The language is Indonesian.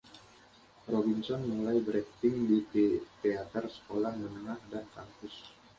Robinson mulai berakting di teater sekolah menengah dan kampus.